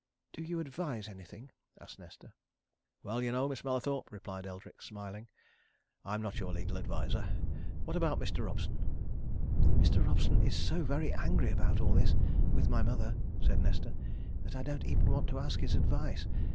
"Do you advise anything?" asked Nesta. "Well, you know, Miss Mallathorpe," replied Eldrick, smiling. "I'm not your legal adviser. What about Mr. Robson?" "Mr. Robson is so very angry about all this with my mother," said Nesta, "that I don't even want to ask his advice.